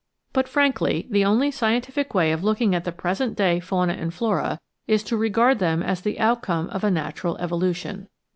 But, frankly, the only scientific way of looking at the present day fauna and flora is to regard them as the outcome of a natural evo lution.